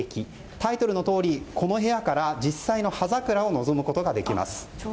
タイトルのとおりこの部屋から実際の葉桜を望むことができます。